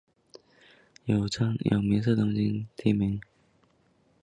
有明是东京都江东区的地名。